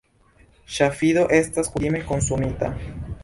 Ŝafido estas kutime konsumita.